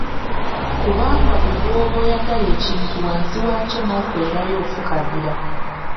Kubanga buli lw'oba oyagala ekintu wansi waakyo n’okwerayo ofukamira.